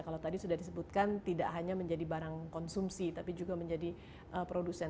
kalau tadi sudah disebutkan tidak hanya menjadi barang konsumsi tapi juga menjadi produsen